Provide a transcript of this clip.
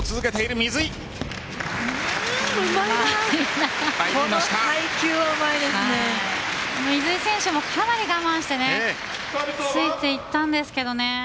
水井選手もかなり我慢してついていったんですけどね。